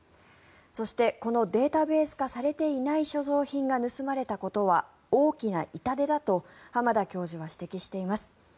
そしてこのデータベース化されていない所蔵品が盗まれたことは大きな痛手だと浜田教授は指摘しています。